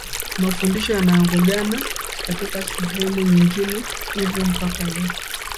mafundisho yanayogongana katika sehemu nyingine hivyo mpaka leo